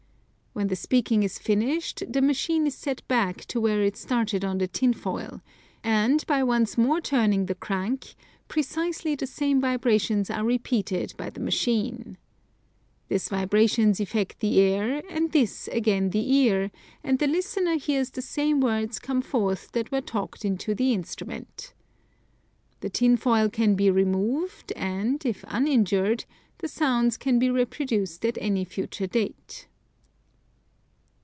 When the speaking is finished the machine is set back to where it started on the tin foil, and by once more turning the crank precisely the same vibrations are repeated by the machines. These vibrations effect the air, and this again the ear, and the listener hears the same words come forth that were talked into the instrument. The tin foil can be removed, and, if uninjured, the sounds can be reproduced at any future date.